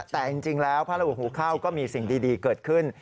แต่จริงแล้วพระอุหูเข้าก็มีสิ่งดีเกิดขึ้น